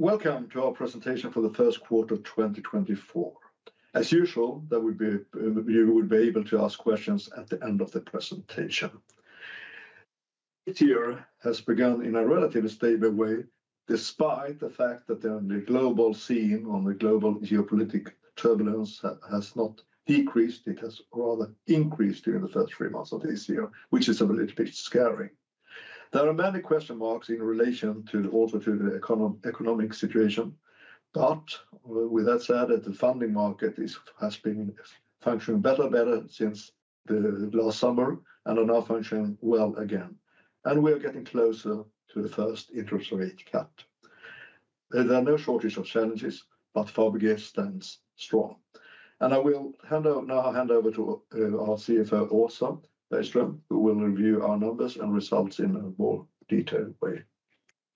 Welcome to our presentation for the Q1 2024. As usual, you would be able to ask questions at the end of the presentation. This year has begun in a relatively stable way, despite the fact that the global scene on the global geopolitic turbulence has not decreased. It has rather increased during the first three months of this year, which is a little bit scary. There are many question marks in relation to the also to the economic situation, but with that said, the funding market has been functioning better and better since last summer and are now functioning well again, and we are getting closer to the first interest rate cut. There are no shortage of challenges, but Fabege stands strong. I will now hand over to our CFO, Åsa Bergström, who will review our numbers and results in a more detailed way.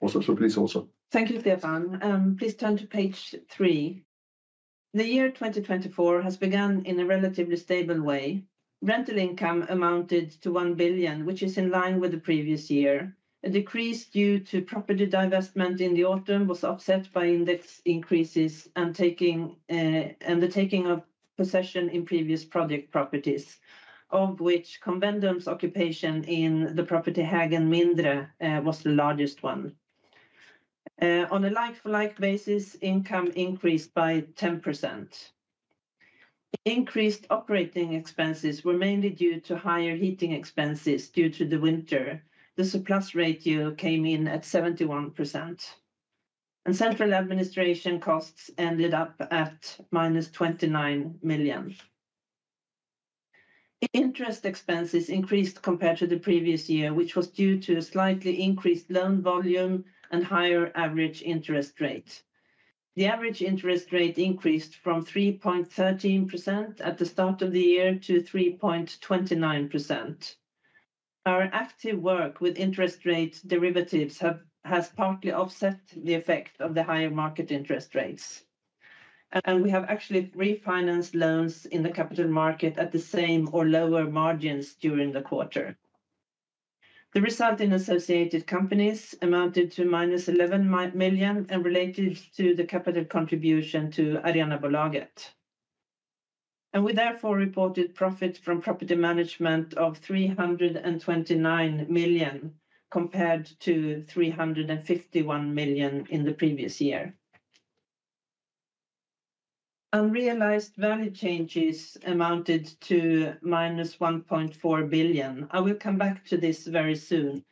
Also, please, Åsa. Thank you, Stefan. Please turn to page 3. The year 2024 has begun in a relatively stable way. Rental income amounted to 1 billion, which is in line with the previous year. A decrease due to property divestment in the autumn was offset by index increases and the taking of possession in previous project properties, of which Convendum's occupation in the property Hägern Mindre was the largest one. On a like-for-like basis, income increased by 10%. Increased operating expenses were mainly due to higher heating expenses due to the winter. The surplus ratio came in at 71%, and central administration costs ended up at -29 million. Interest expenses increased compared to the previous year, which was due to a slightly increased loan volume and higher average interest rate. The average interest rate increased from 3.13% at the start of the year to 3.29%. Our active work with interest rate derivatives has partly offset the effect of the higher market interest rates, and we have actually refinanced loans in the capital market at the same or lower margins during the quarter. The result in associated companies amounted to -11 million and related to the capital contribution to Arenabolaget. We therefore reported profit from property management of 329 million compared to 351 million in the previous year. Unrealized value changes amounted to -1.4 billion. I will come back to this very soon.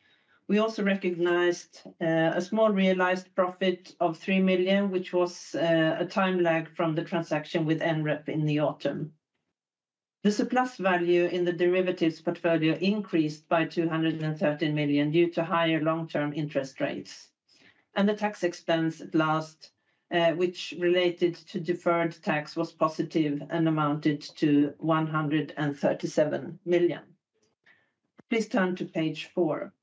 We also recognized a small realized profit of 3 million, which was a time lag from the transaction with NREP in the autumn. The surplus value in the derivatives portfolio increased by 213 million due to higher long-term interest rates. The tax expense at last, which related to deferred tax, was positive and amounted to 137 million. Please turn to page 4.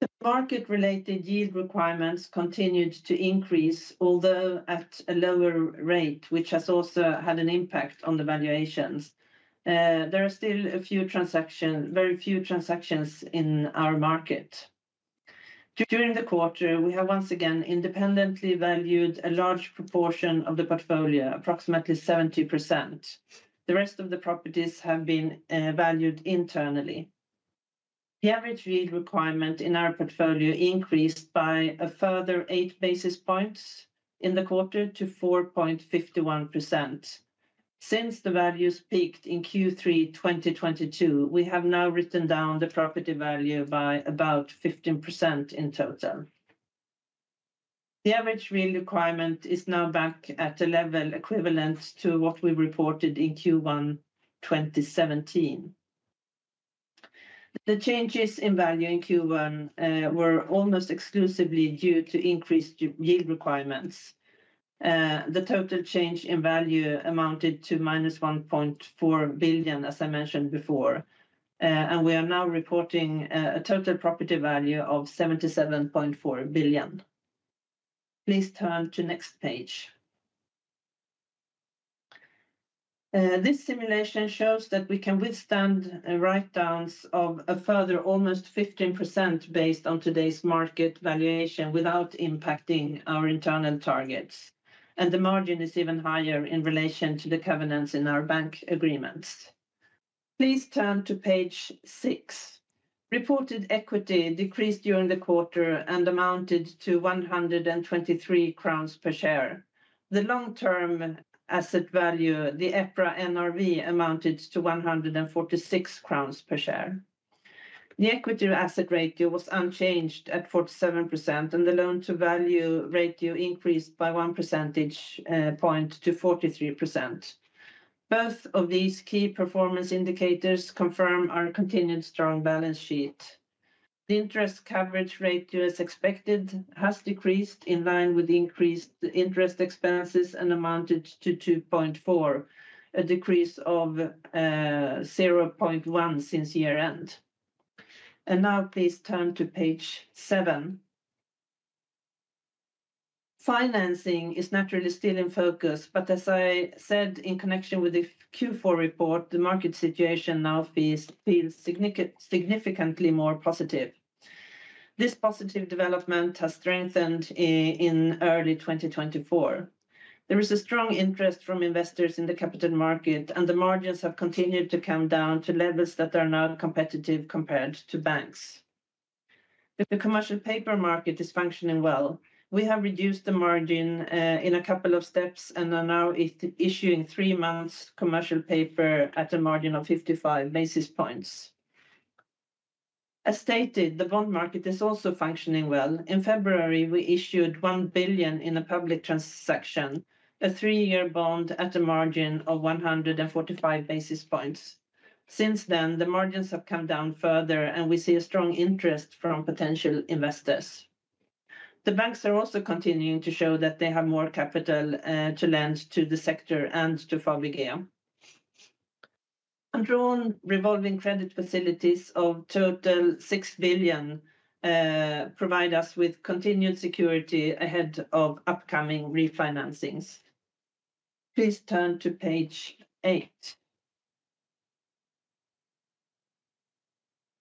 The market-related yield requirements continued to increase, although at a lower rate, which has also had an impact on the valuations. There are still a few transactions, very few transactions in our market. During the quarter, we have once again independently valued a large proportion of the portfolio, approximately 70%. The rest of the properties have been valued internally. The average yield requirement in our portfolio increased by a further 8 basis points in the quarter to 4.51%. Since the values peaked in Q3 2022, we have now written down the property value by about 15% in total. The average yield requirement is now back at a level equivalent to what we reported in Q1 2017. The changes in value in Q1 were almost exclusively due to increased yield requirements. The total change in value amounted to -1.4 billion, as I mentioned before, and we are now reporting a total property value of 77.4 billion. Please turn to next page. This simulation shows that we can withstand write-downs of a further almost 15% based on today's market valuation without impacting our internal targets, and the margin is even higher in relation to the covenants in our bank agreements. Please turn to page 6. Reported equity decreased during the quarter and amounted to 123 crowns per share. The long-term asset value, the EPRA NRV, amounted to 146 crowns per share. The equity-to-asset ratio was unchanged at 47%, and the loan-to-value ratio increased by one percentage point to 43%. Both of these key performance indicators confirm our continued strong balance sheet. The interest coverage ratio, as expected, has decreased in line with increased interest expenses and amounted to 2.4, a decrease of 0.1 since year-end. Now please turn to page 7. Financing is naturally still in focus, but as I said in connection with the Q4 report, the market situation now feels significantly more positive. This positive development has strengthened in early 2024. There is a strong interest from investors in the capital market, and the margins have continued to come down to levels that are now competitive compared to banks. The commercial paper market is functioning well. We have reduced the margin in a couple of steps and are now issuing three-month commercial paper at a margin of 55 basis points. As stated, the bond market is also functioning well. In February, we issued 1 billion in a public transaction, a 3-year bond at a margin of 145 basis points. Since then, the margins have come down further, and we see a strong interest from potential investors. The banks are also continuing to show that they have more capital to lend to the sector and to Fabege. And drawn revolving credit facilities of total 6 billion provide us with continued security ahead of upcoming refinancings. Please turn to page 8.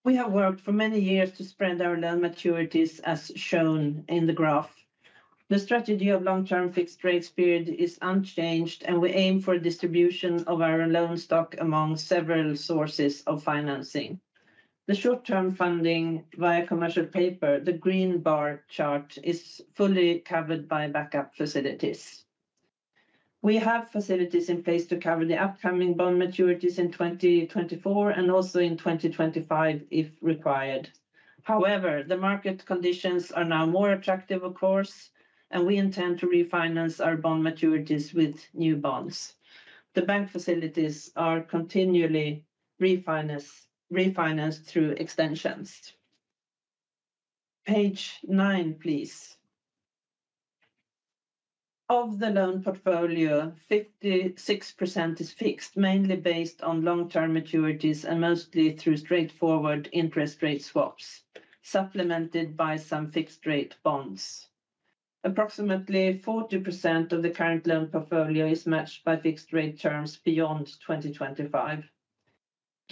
We have worked for many years to spread our loan maturities, as shown in the graph. The strategy of long-term fixed rates period is unchanged, and we aim for distribution of our loan stock among several sources of financing. The short-term funding via commercial paper, the green bar chart, is fully covered by backup facilities. We have facilities in place to cover the upcoming bond maturities in 2024 and also in 2025 if required. However, the market conditions are now more attractive, of course, and we intend to refinance our bond maturities with new bonds. The bank facilities are continually refinanced through extensions. Page 9, please. Of the loan portfolio, 56% is fixed, mainly based on long-term maturities and mostly through straightforward interest rate swaps, supplemented by some fixed-rate bonds. Approximately 40% of the current loan portfolio is matched by fixed-rate terms beyond 2025.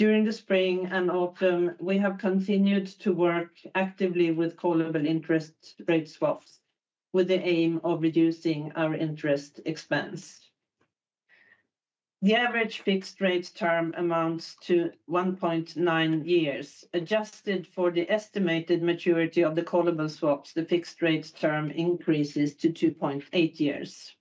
During the spring and autumn, we have continued to work actively with callable interest rate swaps with the aim of reducing our interest expense. The average fixed-rate term amounts to 1.9 years. Adjusted for the estimated maturity of the callable swaps, the fixed-rate term increases to 2.8 years.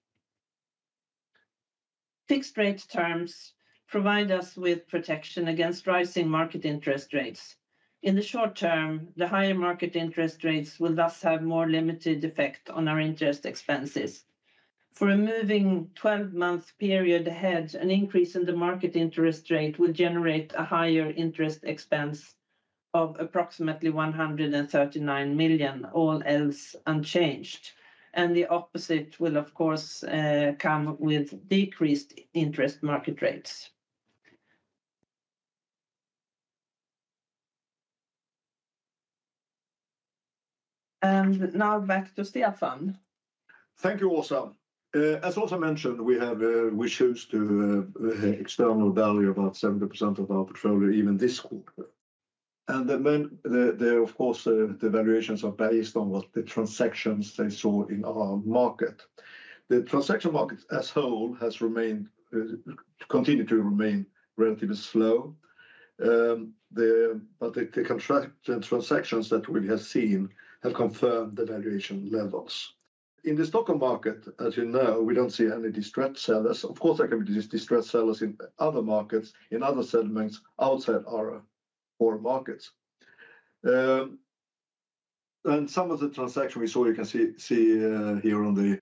Fixed-rate terms provide us with protection against rising market interest rates. In the short term, the higher market interest rates will thus have more limited effect on our interest expenses. For a moving 12-month period ahead, an increase in the market interest rate will generate a higher interest expense of approximately 139 million, all else unchanged. And the opposite will, of course, come with decreased interest market rates. And now back to Stefan. Thank you, Åsa. As Åsa mentioned, we chose to externally value about 70% of our portfolio even this quarter. And of course, the valuations are based on the transactions we saw in our market. The transaction market as a whole has continued to remain relatively slow, but the transactions that we have seen have confirmed the valuation levels. In the transaction market, as you know, we don't see any distressed sellers. Of course, there can be distressed sellers in other markets, in other segments outside our core markets. And some of the transactions we saw, you can see here on the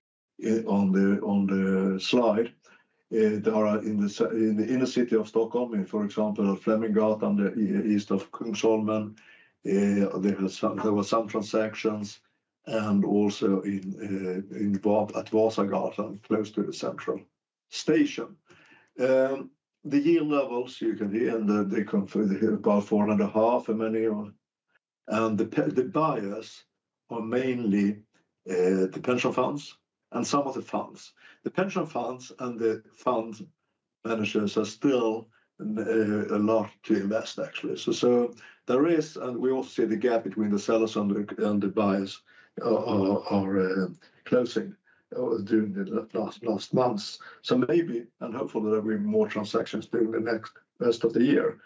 slide. They are in the inner city of Stockholm, for example, at Fleminggatan east of Kungsholmen. There were some transactions and also at Vasagatan close to the central station. The yield levels, you can see, they confirm about 4.5% for many of them. The buyers are mainly the pension funds and some of the funds. The pension funds and the fund managers are still a lot to invest, actually. So there is, and we also see the gap between the sellers and the buyers are closing during the last months. So maybe, and hopefully, there will be more transactions during the next rest of the year.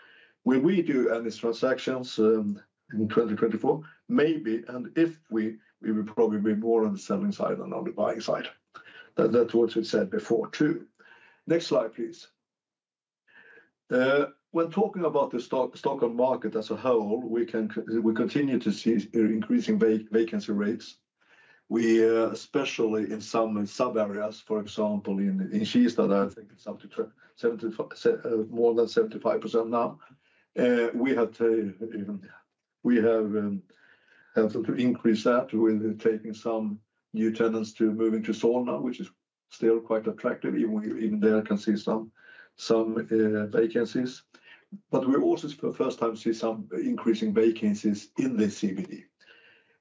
Will we do any transactions in 2024? Maybe, and if we, we will probably be more on the selling side than on the buying side. That's what we said before too. Next slide, please. When talking about the Stockholm market as a whole, we continue to see increasing vacancy rates. Especially in some sub-areas, for example, in Kista, I think it's up to more than 75% now. We have helped to increase that with taking some new tenants to moving to Solna, which is still quite attractive. Even there I can see some vacancies. But we also for the first time see some increasing vacancies in the CBD.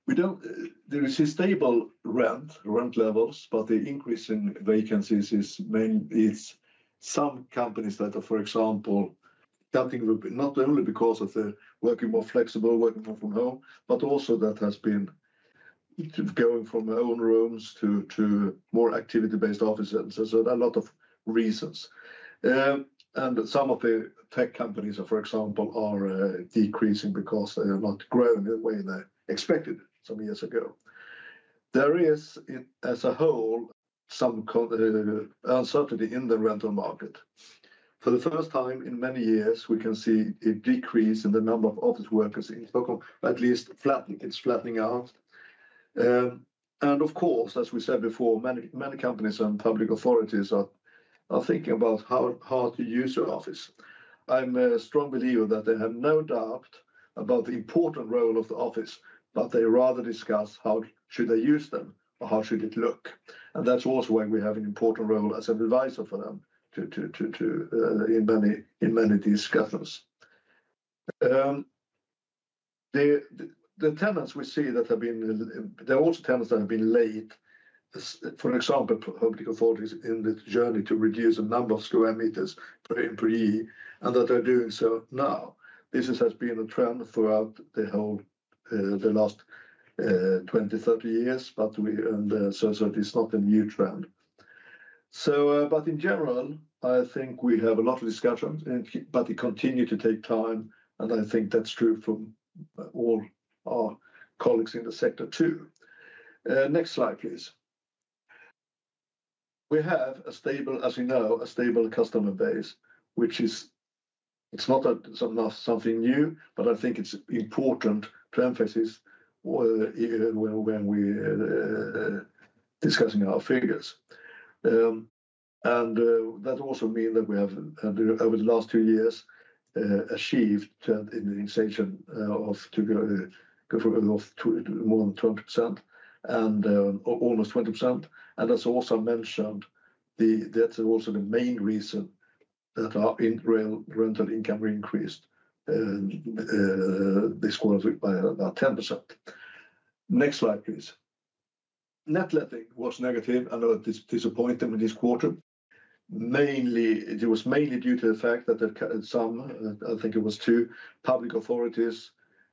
There is a stable rent, rent levels, but the increase in vacancies is mainly it's some companies that are, for example, not only because of the working more flexible, working more from home, but also that has been going from own rooms to more activity-based offices. So a lot of reasons. And some of the tech companies, for example, are decreasing because they are not growing the way they expected some years ago. There is, as a whole, some uncertainty in the rental market. For the first time in many years, we can see a decrease in the number of office workers in Stockholm, at least flattening. It's flattening out. And of course, as we said before, many companies and public authorities are thinking about how to use their office. I'm a strong believer that they have no doubt about the important role of the office, but they rather discuss how should they use them or how should it look. And that's also why we have an important role as an advisor for them in many discussions. The tenants we see that have been there are also tenants that have been late, for example, public authorities in the journey to reduce the number of square meters per year, and that they're doing so now. This has been a trend throughout the last 20, 30 years, but it's not a new trend. But in general, I think we have a lot of discussions, but it continues to take time, and I think that's true for all our colleagues in the sector too. Next slide, please. We have a stable, as you know, a stable customer base, which is it's not something new, but I think it's important to emphasize when we're discussing our figures. And that also means that we have, over the last two years, achieved an increase of more than 20% and almost 20%. And as Åsa mentioned, that's also the main reason that our rental income increased this quarter by about 10%. Next slide, please. Net letting was negative. I know it disappointed me this quarter. Mainly, it was mainly due to the fact that some, I think it was two public authorities,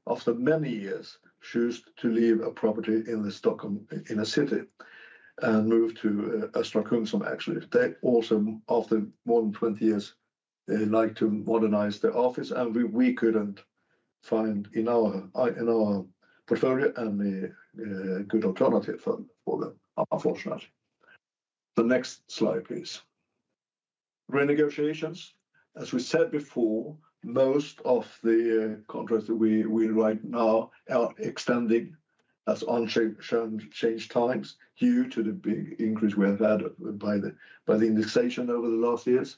after many years, chose to leave a property in the Stockholm inner city, and move to Östra Kungsholmen, actually. They also, after more than 20 years, liked to modernize their office, and we couldn't find in our portfolio any good alternative for them, unfortunately. The next slide, please. Renegotiations. As we said before, most of the contracts that we're right now are extending as unchanged times due to the big increase we have had by the indexation over the last years.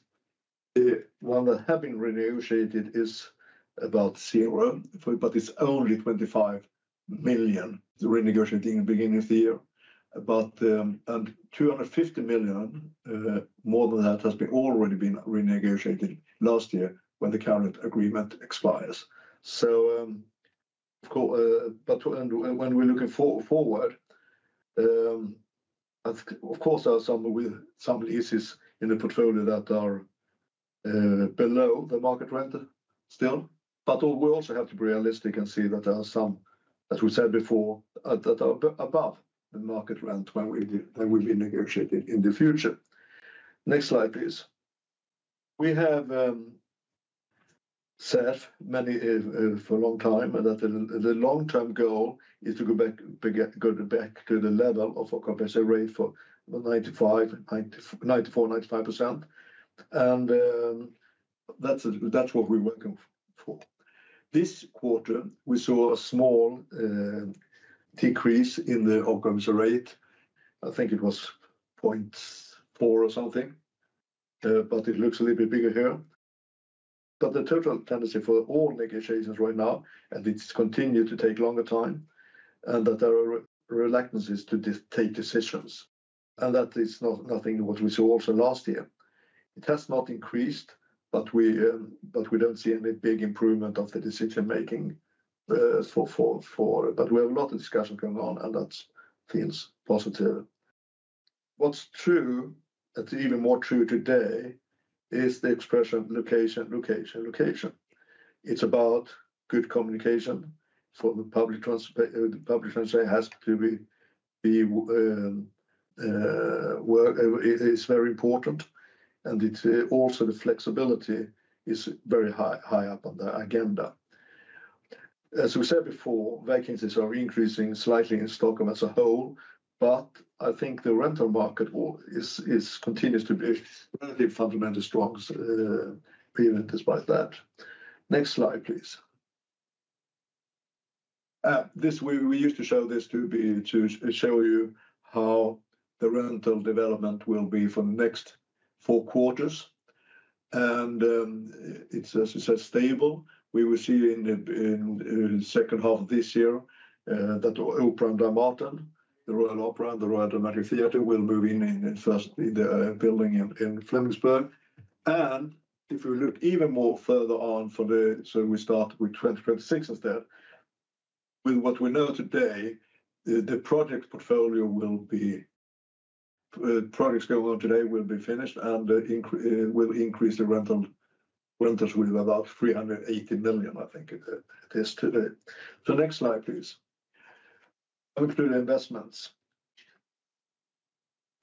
One that has been renegotiated is about zero, but it's only 25 million renegotiated in the beginning of the year. 250 million, more than that, has already been renegotiated last year when the current agreement expires. But when we're looking forward, of course, there are some leases in the portfolio that are below the market rent still, but we also have to be realistic and see that there are some, as we said before, that are above the market rent when we've been negotiated in the future. Next slide, please. We have said for a long time that the long-term goal is to go back to the level of occupancy rate for 94% to 95%. And that's what we're working for. This quarter, we saw a small decrease in the occupancy rate. I think it was 0.4% or something. But it looks a little bit bigger here. But the total tendency for all negotiations right now, and it's continued to take longer time, and that there are reluctances to take decisions. And that is nothing what we saw also last year. It has not increased, but we don't see any big improvement of the decision-making. But we have a lot of discussion going on, and that feels positive. What's true, that's even more true today, is the expression location, location, location. It's about good communication for the public transport, has to be very important. And also the flexibility is very high up on the agenda. As we said before, vacancies are increasing slightly in Stockholm as a whole, but I think the rental market continues to be relatively fundamentally strong despite that. Next slide, please. We used to show this to show you how the rental development will be for the next four quarters. And it's stable. We will see in the second half of this year that the Opera and Dramaten, the Royal Opera, and the Royal Dramatic Theatre will move in the building in Flemingsburg. If we look even more further on for the, so we start with 2026 instead. With what we know today, the project portfolio will be projects going on today will be finished and will increase the rentals with about 380 million, I think it is today. So next slide, please. I'll include investments.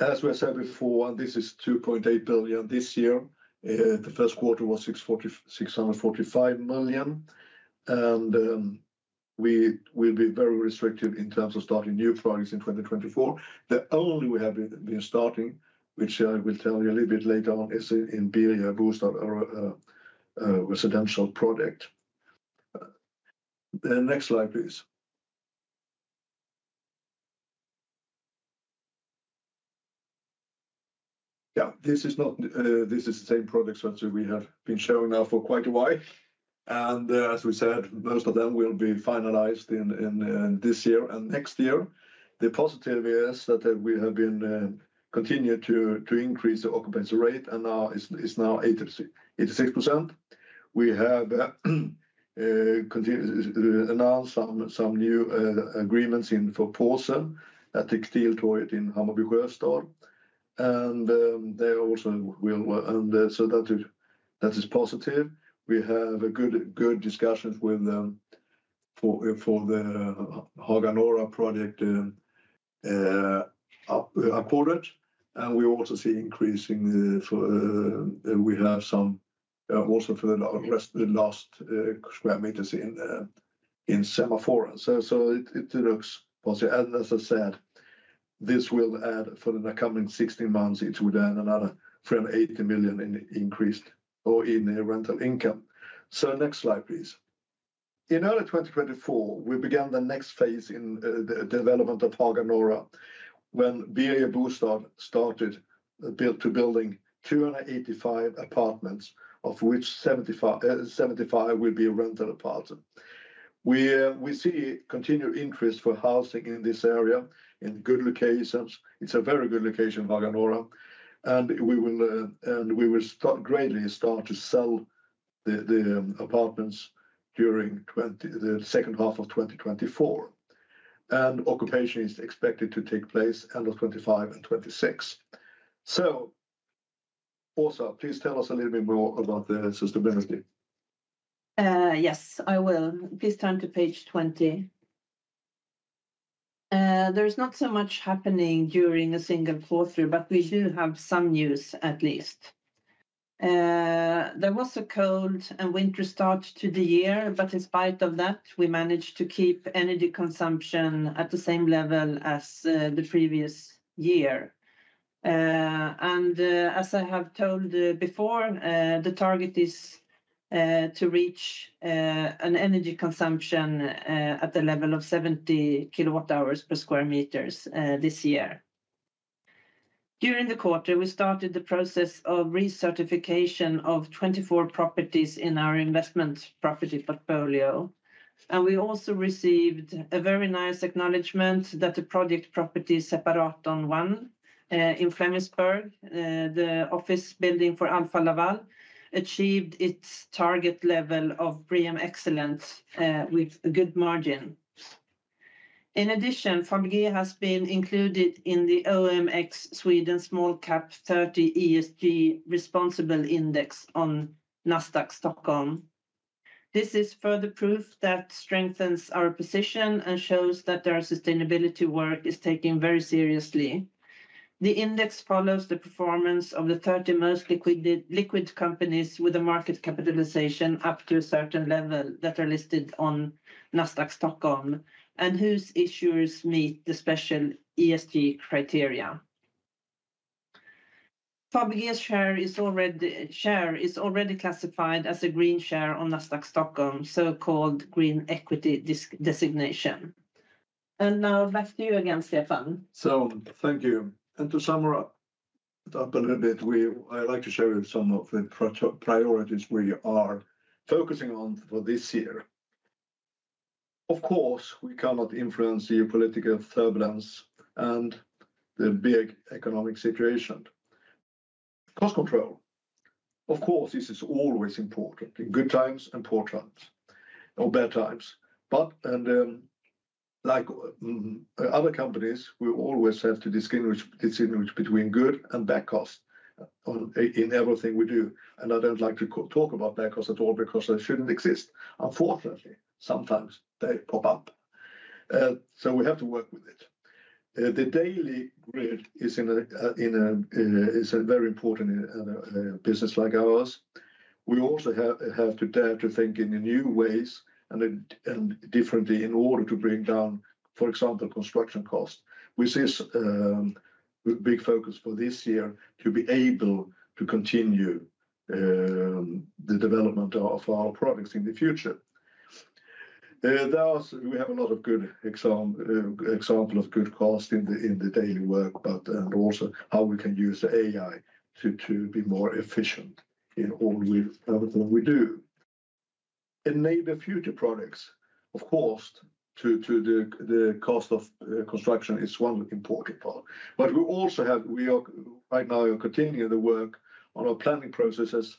As we said before, this is 2.8 billion this year. The Q1 was 645 million. We will be very restrictive in terms of starting new projects in 2024. The only we have been starting, which I will tell you a little bit later on, is in Birger Bostad residential project. Next slide, please. Yeah, this is the same projects that we have been showing now for quite a while. As we said, most of them will be finalized this year and next year. The positive is that we have been continued to increase the occupancy rate, and now it's now 86%. We have announced some new agreements for Polisen at the Korphoppet in Hammarby Sjöstad. And they also will, and so that is positive. We have good discussions with the Haga Norra project accorded, and we also see increasing for we have some also for the last square meters in Semaforen. So it looks positive, and as I said, this will add for the coming 16 months it will add another 380 million in increased or in rental income. So next slide, please. In early 2024, we began the next phase in the development of Haga Norra, when Birger Bostad started to build 285 apartments, of which 75 will be rental apartments. We see continued interest for housing in this area, in good locations. It's a very good location, Haga Norra. We will greatly start to sell the apartments during the second half of 2024. Occupation is expected to take place end of 2025 and 2026. So, Åsa, please tell us a little bit more about the sustainability. Yes, I will. Please turn to page 20. There's not so much happening during a single Q1, but we do have some news at least. There was a cold winter start to the year, but in spite of that, we managed to keep energy consumption at the same level as the previous year. As I have told before, the target is to reach an energy consumption at the level of 70 kWh per square meter this year. During the quarter, we started the process of recertification of 24 properties in our investment property portfolio. We also received a very nice acknowledgment that the project property Separatorn 1 in Flemingsburg, the office building for Alfa Laval, achieved its target level of BREEAM Excellent with a good margin. In addition, Fabege has been included in the OMX Sweden Small Cap 30 ESG Responsible Index on Nasdaq Stockholm. This is further proof that strengthens our position and shows that their sustainability work is taken very seriously. The index follows the performance of the 30 most liquid companies with a market capitalization up to a certain level that are listed on Nasdaq Stockholm, and whose issuers meet the special ESG criteria. Fabege's share is already classified as a green share on Nasdaq Stockholm, so-called green equity designation. Now back to you again, Stefan. So thank you. To sum up a little bit, I'd like to show you some of the priorities we are focusing on for this year. Of course, we cannot influence geopolitical turbulence and the big economic situation. Cost control. Of course, this is always important, in good times and poor times, or bad times. But, like other companies, we always have to distinguish between good and bad costs in everything we do. And I don't like to talk about bad costs at all because they shouldn't exist. Unfortunately, sometimes they pop up. So we have to work with it. The daily grind is a very important business like ours. We also have to dare to think in new ways and differently in order to bring down, for example, construction costs, which is a big focus for this year, to be able to continue the development of our products in the future. We have a lot of good examples of good costs in the daily work, but also how we can use AI to be more efficient in all everything we do. Enable future products, of course, to the cost of construction is one important part. But we also have, we are right now continuing the work on our planning processes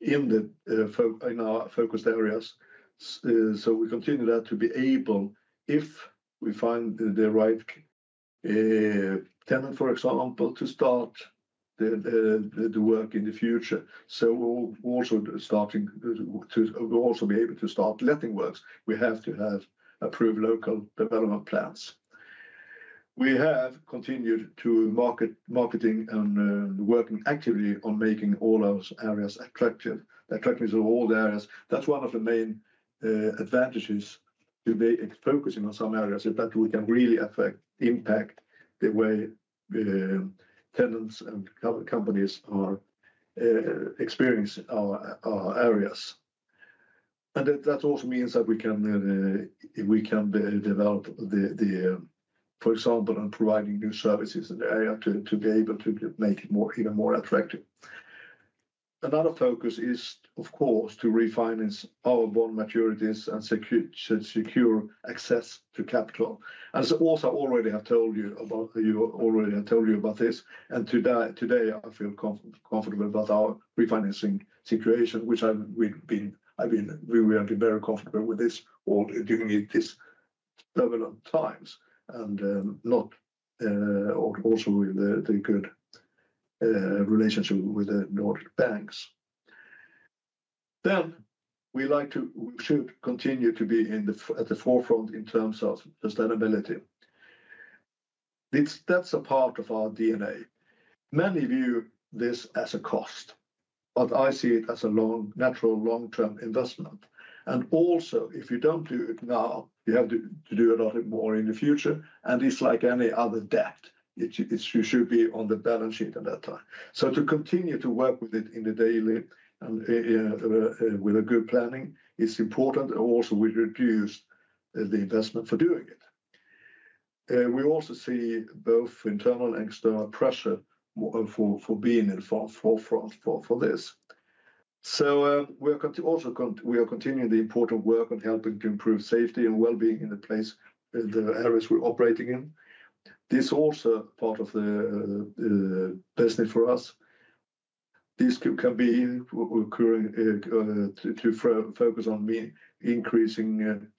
in the focused areas. So we continue that to be able, if we find the right tenant, for example, to start the work in the future. So we're also starting to also be able to start letting works. We have to have approved local development plans. We have continued to marketing and working actively on making all those areas attractive, attractive to all the areas. That's one of the main advantages to be focusing on some areas, is that we can really affect the impact the way tenants and companies are experiencing our areas. And that also means that we can develop, for example, and providing new services in the area to be able to make it even more attractive. Another focus is, of course, to refinance our bond maturities and secure access to capital. And as Åsa already has told you about this. And today I feel comfortable about our refinancing situation, which I've been very comfortable with this all during these turbulent times and also with the good relationship with the Nordic banks. Then we like to, we should continue to be at the forefront in terms of sustainability. That's a part of our DNA. Many view this as a cost. But I see it as a long, natural long-term investment. And also, if you don't do it now, you have to do a lot more in the future. And it's like any other debt. You should be on the balance sheet at that time. So to continue to work with it in the daily and with a good planning is important, and also we reduce the investment for doing it. We also see both internal and external pressure for being in the forefront for this. So we are also, we are continuing the important work on helping to improve safety and well-being in the place, the areas we're operating in. This is also part of the business for us. This can be occurring to focus on increasing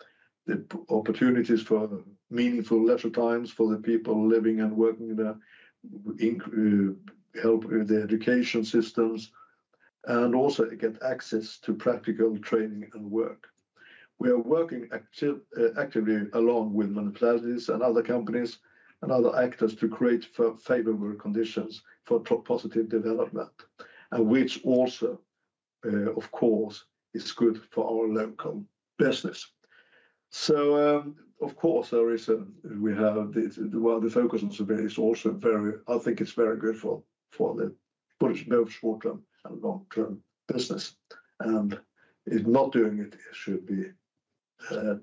the opportunities for meaningful leisure times for the people living and working there. Help the education systems. Also get access to practical training and work. We are working actively along with municipalities and other companies and other actors to create favorable conditions for positive development, and which also, of course, is good for our local business. So, of course, while the focus is also very, I think it's very good for both short-term and long-term business. If not doing it, it should be a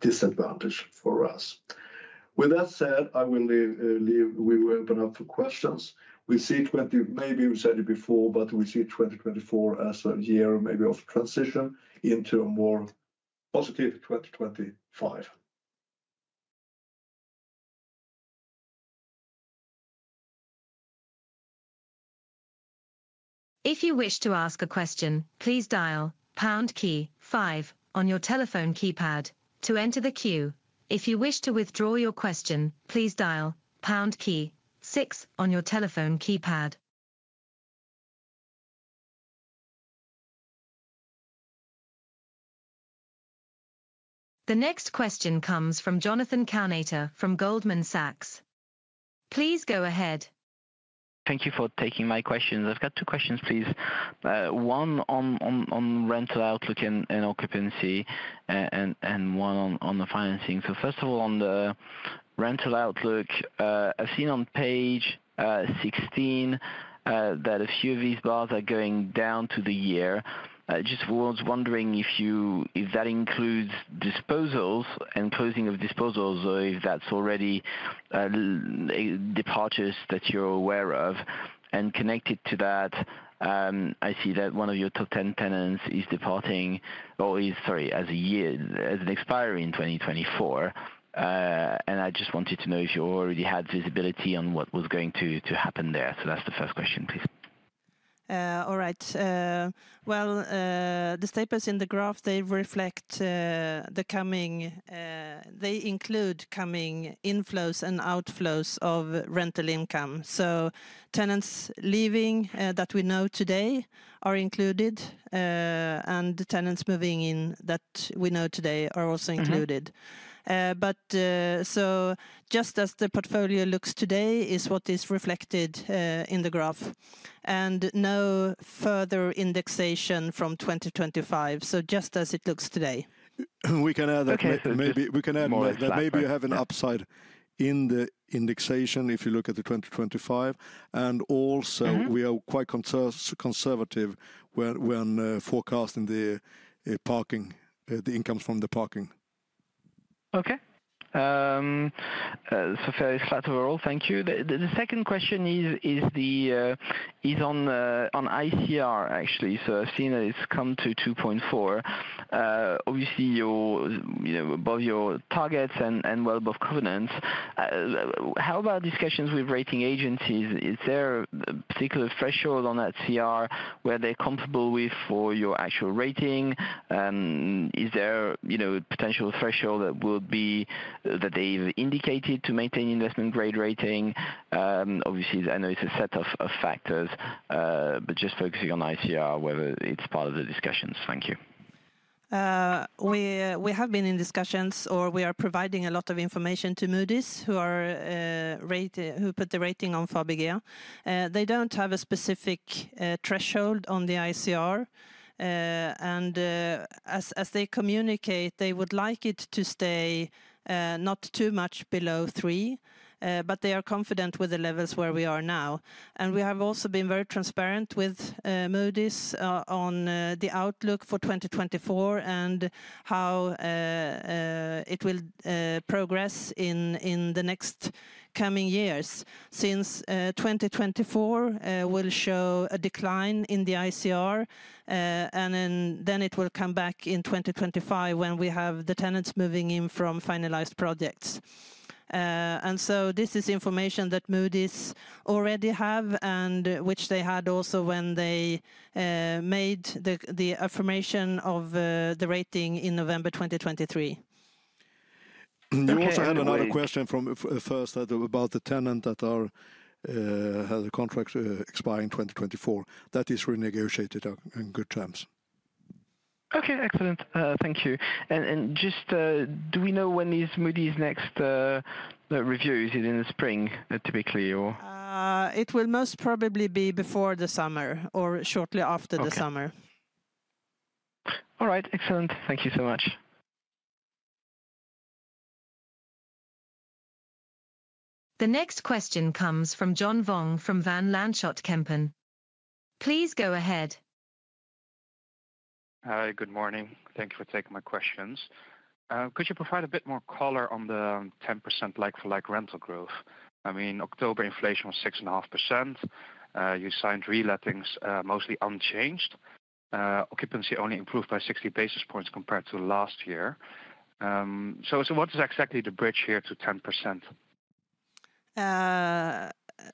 disadvantage for us. With that said, I will leave, we will open up for questions. We see 20, maybe we said it before, but we see 2024 as a year maybe of transition into a more positive 2025. If you wish to ask a question, please dial pound key five on your telephone keypad to enter the queue. If you wish to withdraw your question, please dial pound key six on your telephone keypad. The next question comes from Jonathan Kownator from Goldman Sachs. Please go ahead. Thank you for taking my questions. I've got two questions, please. One on rental outlook and occupancy, and one on the financing. So first of all, on the rental outlook, I've seen on page 16 that a few of these bars are going down to the year. Just was wondering if that includes disposals and closing of disposals, or if that's already departures that you're aware of. And connected to that, I see that one of your top 10 tenants is departing, or is, sorry, as a year, as an expiry in 2024. And I just wanted to know if you already had visibility on what was going to happen there. So that's the first question, please. All right. Well, the staples in the graph, they reflect the coming; they include coming inflows and outflows of rental income. So tenants leaving that we know today are included, and tenants moving in that we know today are also included. But so just as the portfolio looks today is what is reflected in the graph. And no further indexation from 2025, so just as it looks today. We can add that maybe, we can add that maybe you have an upside in the indexation if you look at the 2025. And also we are quite conservative when forecasting the parking, the incomes from the parking. Okay. So fairly flat overall, thank you. The second question is on ICR, actually. So I've seen that it's come to 2.4. Obviously, you're above your targets and well above covenants. How about discussions with rating agencies? Is there a particular threshold on that CR where they're comfortable with for your actual rating? Is there a potential threshold that will be that they've indicated to maintain investment grade rating? Obviously, I know it's a set of factors, but just focusing on ICR, whether it's part of the discussions, thank you. We have been in discussions, or we are providing a lot of information to Moody's, who put the rating on Fabege. They don't have a specific threshold on the ICR. As they communicate, they would like it to stay not too much below three, but they are confident with the levels where we are now. We have also been very transparent with Moody's on the outlook for 2024 and how it will progress in the next coming years. Since 2024 will show a decline in the ICR, and then it will come back in 2025 when we have the tenants moving in from finalized projects. So this is information that Moody's already have and which they had also when they made the affirmation of the rating in November 2023. You also had another question first about the tenant that has a contract expiring in 2024. That is renegotiated in good terms. Okay, excellent. Thank you. Just do we know when Moody's next review? Is it in the spring typically, or? It will most probably be before the summer or shortly after the summer. All right, excellent. Thank you so much. The next question comes from John Vuong from Van Lanschot Kempen. Please go ahead. Hi, good morning. Thank you for taking my questions. Could you provide a bit more color on the 10% like-for-like rental growth? I mean, October inflation was 6.5%. You signed relettings mostly unchanged. Occupancy only improved by 60 basis points compared to last year. So what is exactly the bridge here to 10%?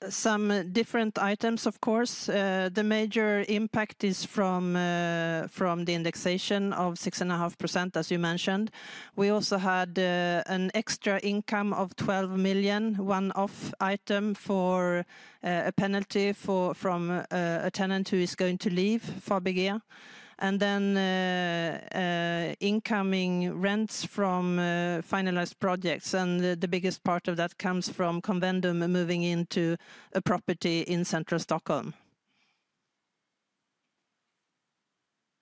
Some different items, of course. The major impact is from the indexation of 6.5%, as you mentioned. We also had an extra income of 12 million, one-off item for a penalty from a tenant who is going to leave Fabege. And then incoming rents from finalized projects. And the biggest part of that comes from Convendum moving into a property in central Stockholm.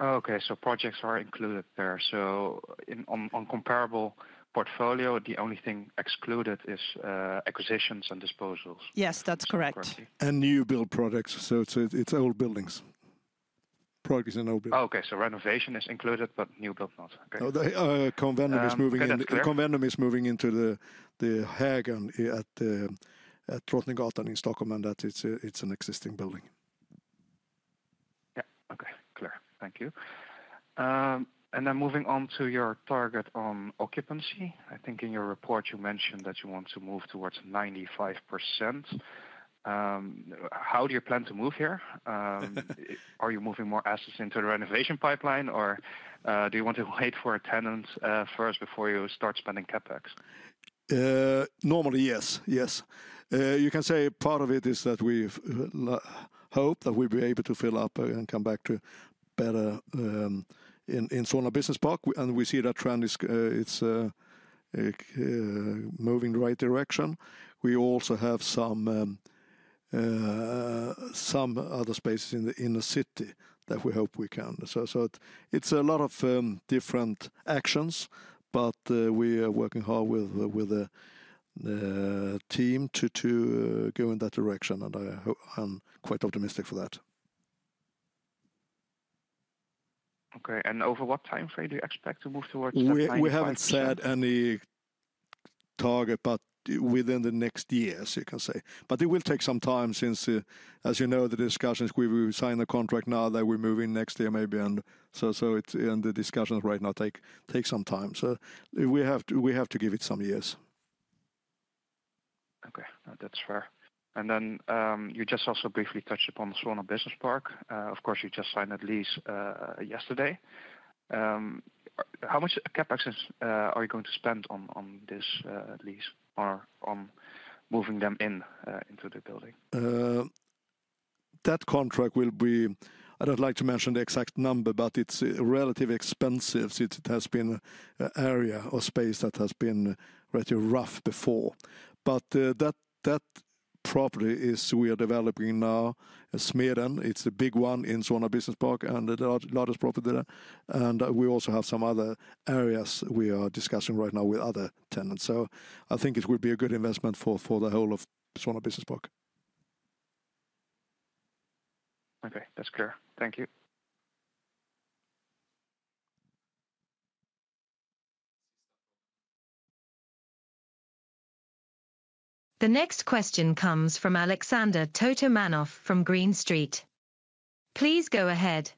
Okay, so projects are included there. So on comparable portfolio, the only thing excluded is acquisitions and disposals. Yes, that's correct. New build projects, so it's old buildings. Projects and old buildings. Okay, so renovation is included, but new build not. Convendum is moving into the Hägern at Drottninggatan in Stockholm, and that it's an existing building. Yeah, okay, clear. Thank you. And then moving on to your target on occupancy. I think in your report you mentioned that you want to move towards 95%. How do you plan to move here? Are you moving more assets into the renovation pipeline, or do you want to wait for tenants first before you start spending CapEx? Normally, yes, yes. You can say part of it is that we hope that we'll be able to fill up and come back to better in Solna Business Park. And we see that trend is moving in the right direction. We also have some other spaces in the city that we hope we can. So it's a lot of different actions, but we are working hard with the team to go in that direction, and I'm quite optimistic for that. Okay, and over what time frame do you expect to move towards that 95%? We haven't set any target, but within the next years, you can say. But it will take some time since, as you know, the discussions. We signed the contract now that we're moving next year maybe. And so the discussions right now take some time. So we have to give it some years. Okay, that's fair. And then you just also briefly touched upon Solna Business Park. Of course, you just signed a lease yesterday. How much CapEx are you going to spend on this lease or on moving them into the building? That contract will be, I don't like to mention the exact number, but it's relatively expensive. It has been an area or space that has been relatively rough before. But that property is we are developing now, Smeden. It's a big one in Solna Business Park and the largest property there. And we also have some other areas we are discussing right now with other tenants. So I think it will be a good investment for the whole of Solna Business Park. Okay, that's clear. Thank you. The next question comes from Alexander Totomanov from Green Street. Please go ahead.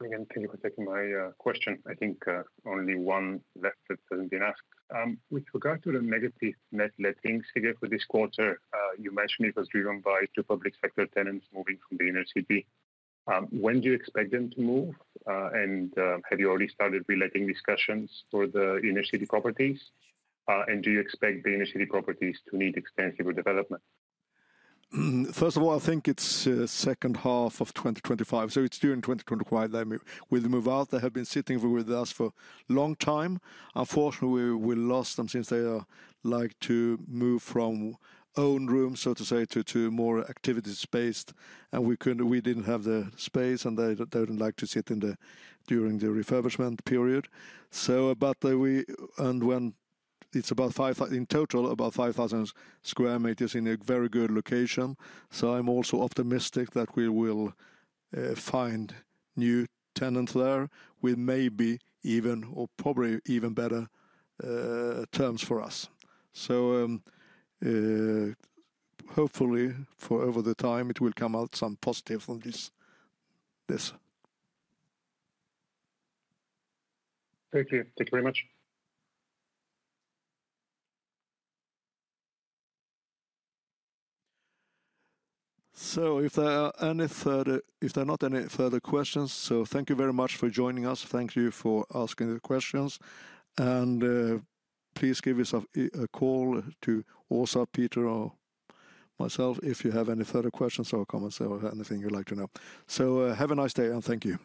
Thank you for taking my question. I think only one left that hasn't been asked. With regard to the negative net letting figure for this quarter, you mentioned it was driven by two public sector tenants moving from the inner city. When do you expect them to move? And have you already started reletting discussions for the inner city properties? And do you expect the inner city properties to need extensive redevelopment? First of all, I think it's the second half of 2025. So it's during 2025. They will move out. They have been sitting with us for a long time. Unfortunately, we lost them since they like to move from owned rooms, so to say, to more activity-based. And we didn't have the space, and they didn't like to sit in the during the refurbishment period. So, but we, and when it's about 5,000 in total, about 5,000 square meters in a very good location. So I'm also optimistic that we will find new tenants there with maybe even or probably even better terms for us. So hopefully for over the time, it will come out some positives on this. Thank you. Thank you very much. So if there are not any further questions, so thank you very much for joining us. Thank you for asking the questions. Please give us a call to Åsa, Peter, or myself if you have any further questions or comments or anything you'd like to know. Have a nice day and thank you.